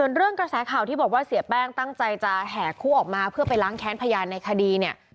ส่วนเรื่องกระแสข่าวที่บอกว่าเสียแป้งตั้งใจจะแห่คู่ออกมาเพื่อไปล้างแค้นพยานในคดีเนี่ย